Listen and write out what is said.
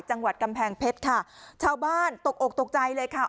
จังหวัดกำแพงเพชรค่ะชาวบ้านตกอกตกใจเลยค่ะ